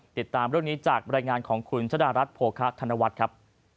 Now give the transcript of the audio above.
ติดตามเรื่องนี้จากบรรยายงานของคุณชะดารัฐโภคะธนวัฒน์ครับ